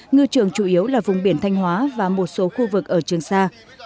ngư trường chủ yếu là vùng biển thanh hóa và một số khu vực ở trường sa